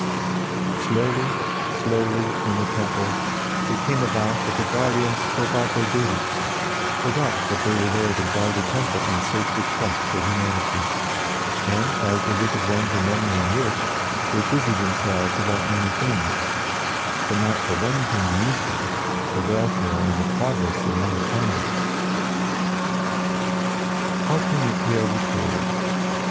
Slowly, slowly, in the Temple, it came about that the guardians forgot their duty, forgot that they were there to guard the temple in sacred trust for humanity; and as the wicked ones among them wished, they busied themselves about many things; but not the one thing needful, the welfare and the progress of mankind. How can the tale be told?